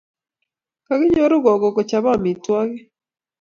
Kakinyoru gogo kochope amitwogik